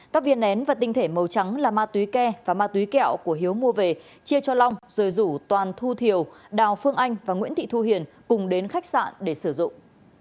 các viên nén và tinh thể màu trắng là ma túy ke và ma túy kẹo của hiếu mua về chia cho long rồi rủ toàn thu thiều đào phương anh và nguyễn thị thu hiền cùng đến khách sạn để sử dụng